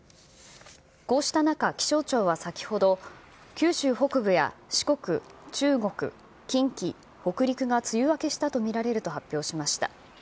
こうした中、気象庁は先ほど、九州北部や四国、中国、近畿、北陸が、梅雨明けしたと見られると発表しました。